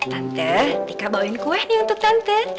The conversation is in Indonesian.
tante kita bawain kue nih untuk tante